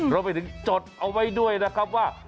รวมไปถึงจดเอาไว้ด้วยนะครับว่า